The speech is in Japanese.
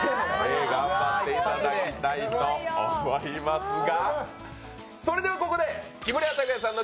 頑張っていただきたいと思いますが。